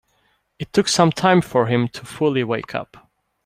It took some time for him to fully wake up.